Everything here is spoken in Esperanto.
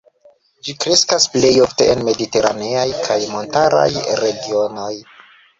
Ĝi kreskas plej ofte en mediteraneaj kaj montaraj regionoj.